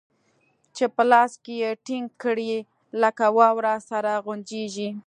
چې په لاس کښې يې ټينګ کړې لکه واوره سره غونجېږي.